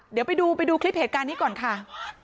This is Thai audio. เดี๋ยวไปดูไปดูคลิปเหตุการณ์นี้ก่อนค่ะ